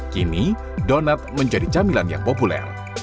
kini donat menjadi camilan yang populer